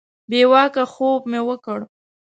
بې واکه خوب مو وکړ.